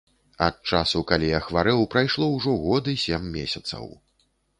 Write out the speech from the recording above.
Ад часу, калі я хварэў, прайшло ўжо год і сем месяцаў.